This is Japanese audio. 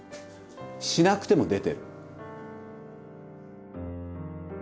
しなくても出てる。